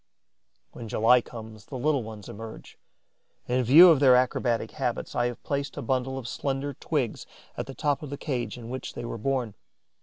When July comes, the little ones emerge. In view of their acrobatic habits, I have placed a bundle of slender twigs at the top of the cage in which they were born.